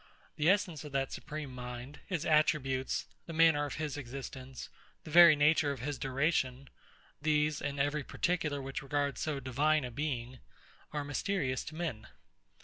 The essence of that supreme Mind, his attributes, the manner of his existence, the very nature of his duration; these, and every particular which regards so divine a Being, are mysterious to men.